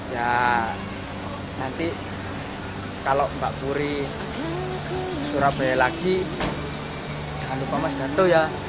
ya nanti kalau mbak puri ke surabaya lagi jangan lupa mas gardu ya